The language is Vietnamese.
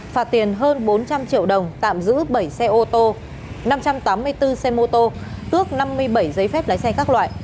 phạt tiền hơn bốn trăm linh triệu đồng tạm giữ bảy xe ô tô năm trăm tám mươi bốn xe mô tô tước năm mươi bảy giấy phép lái xe các loại